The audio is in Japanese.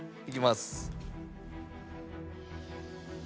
いきます。